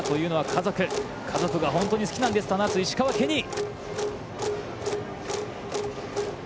家族が本当に好きなんですと話す、石川ケニー。